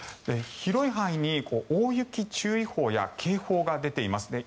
広い範囲に大雪注意報や警報が出ています。